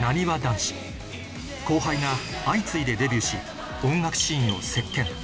ＬＡＬＡＬＡ後輩が相次いでデビューし音楽シーンを席巻